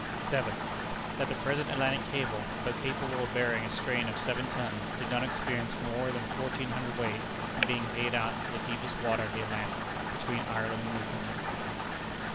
7. That the present Atlantic Cable, though capable of bearing a strain of seven tons, did not experience more than fourteen hundred weight in being paid out into the deepest water of the Atlantic between Ireland and Newfoundland.